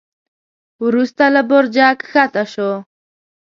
وروسته له برجه کښته شو.